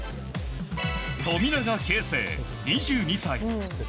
富永啓生、２２歳。